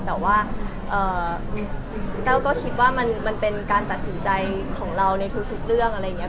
แต่ว่าแต้วก็คิดว่ามันเป็นการตัดสินใจของเราในทุกเรื่องอะไรอย่างนี้